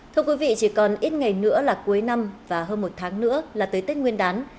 thưa quý vị chỉ còn ít ngày nữa là cuối năm và hơn một tháng nữa là tới tết nguyên đán